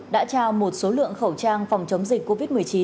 đã trao một số lượng khẩu trang phòng chống dịch covid một mươi chín